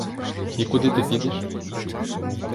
І куди ти підеш?